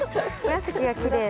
紫がきれい。